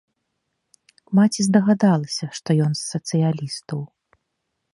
Маці здагадалася, што ён з сацыялістаў.